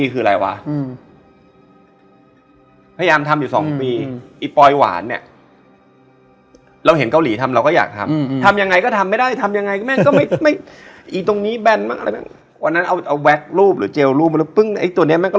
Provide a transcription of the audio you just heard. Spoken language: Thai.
เฮ้ยไปเอารู้ได้ยังไงว่าของมันกินได้เออ